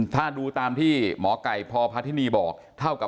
ถ้าดูตามที่หมอไกดร์พอร์พทินีบอก